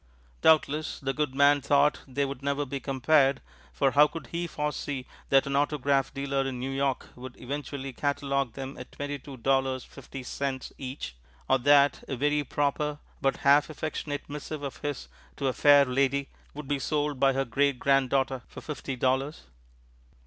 Doubtless the good man thought they would never be compared, for how could he foresee that an autograph dealer in New York would eventually catalog them at twenty two dollars fifty cents each, or that a very proper but half affectionate missive of his to a Faire Ladye would be sold by her great granddaughter for fifty dollars?